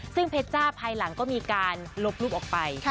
ซึ่งเพชรจ้าภายหลังก็มีการลบรูปออกไป